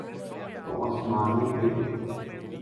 تو آسمانوں پہ۔